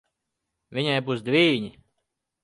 Viņai būs dvīņi.